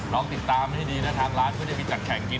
ลองติดตามให้ดีนะทางร้านไม่ได้ไปจัดแข่งกิน